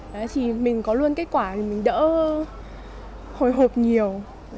đấy thì mình có luôn kết quả thì mình đỡ hồi hộp nhiều